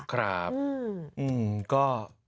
ครับหนึ่งก็